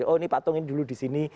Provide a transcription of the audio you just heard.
oh ini pak tong ini dulu disini